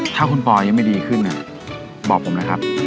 ถ้าคุณปอยังไม่ดีขึ้นเนี่ยบอกผมนะครับ